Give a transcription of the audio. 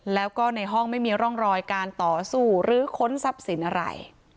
แล้วก็ในห้องไม่มีร่องรอยการต่อสู้หรือค้นทรัพย์สินอะไร